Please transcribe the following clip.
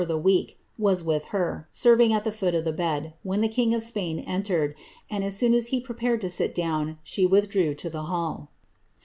349 die week, was with her, serving at the foot of the bed, when the king «f Spain entered, and as soon as he prepared to sit down, she withdrew «o the hall.